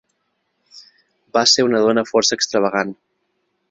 Va ser una dona força extravagant.